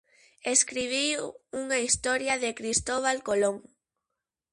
Escribiu unha Historia de Cristóbal Colón.